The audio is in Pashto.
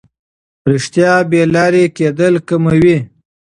رښتیا بې لارې کېدل کموي.